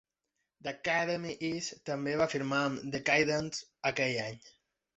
The Academy Is... també van firmar amb Decaydance aquell any.